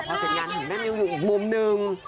พอเสดีงานให้แม่มิวกัน๖มน